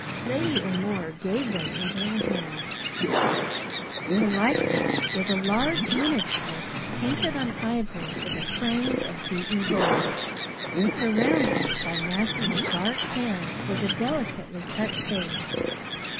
Lady O'More gave them into her hands. The likeness was a large miniature, painted on ivory, with a frame of beaten gold. Surrounded by masses of dark hair was a delicately cut face.